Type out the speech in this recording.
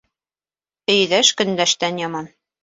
Өйҙәш көндәштән яман.